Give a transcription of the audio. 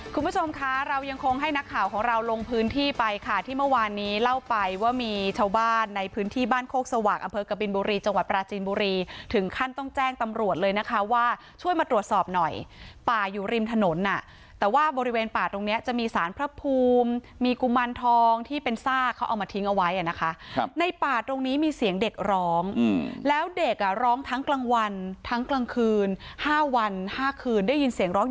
คุณผู้ชมคะเรายังคงให้นักข่าวของเราลงพื้นที่ไปค่ะที่เมื่อวานนี้เล่าไปว่ามีชาวบ้านในพื้นที่บ้านโคกสวากอำเภอกบิลบุรีจังหวัดปราจีนบุรีถึงขั้นต้องแจ้งตำรวจเลยนะคะว่าช่วยมาตรวจสอบหน่อยป่าอยู่ริมถนนอ่ะแต่ว่าบริเวณป่าตรงเนี้ยจะมีสารพระภูมิมีกุมันทองที่เป็นซากเขาเอามาทิ้งเอาไว้อ่